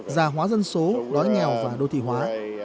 già hóa dân số đói nghèo và đô thị hóa